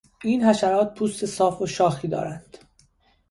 این حشرات پوست صاف و شاخی دارند.